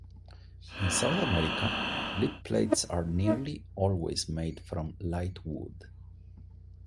In South America, lip plates are nearly always made from light wood.